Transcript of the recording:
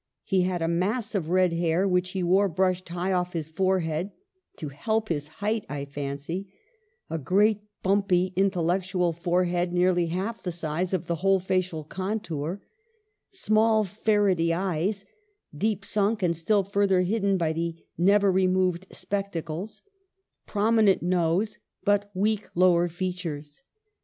He had a mass of red hair, which he wore brushed high off his forehead — to help his height, I fancy — a great, bumpy, intellec tual forehead, nearly half the size of the whole facial contour ; small ferrety eyes, deep sunk and still further hidden by the never removed spectacles ; prominent nose, but weak lower fea tures.